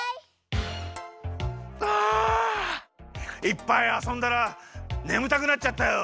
いっぱいあそんだらねむたくなっちゃったよ。